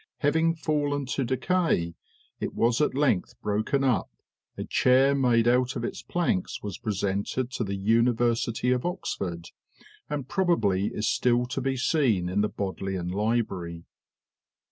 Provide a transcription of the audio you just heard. Having fallen to decay, it was at length broken up: a chair, made out of its planks, was presented to the University of Oxford, and probably is still to be seen in the Bodleian Library.